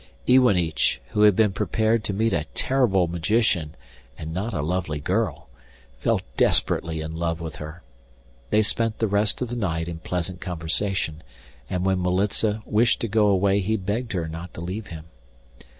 Iwanich, who had been prepared to meet a terrible magician and not a lovely girl, fell desperately in love with her. They spent the rest of the night in pleasant conversation, and when Militza wished to go away he begged her not to leave him.